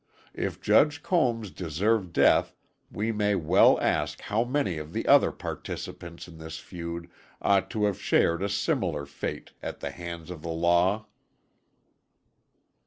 If Judge Combs deserved death, we may well ask how many of the other participants in this feud ought to have shared a similar fate at the hands of the law?